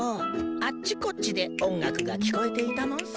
あっちこっちで音楽が聞こえていたもんさ。